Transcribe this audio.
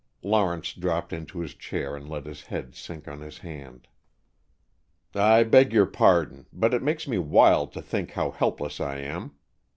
Lawrence dropped into his chair and let his head sink on his hand. "I beg your pardon. But it makes me wild to think how helpless I am.